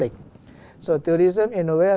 chúc mừng năm mới